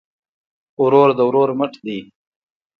ورور د ورور مټ دی